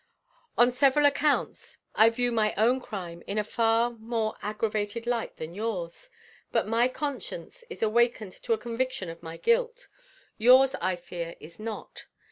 On several accounts, I view my own crime in a more aggravated light than yours; but my conscience is awakened to a conviction of my guilt. Yours, I fear, is not.